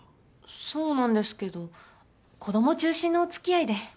そうなんですけど子供中心のお付き合いで。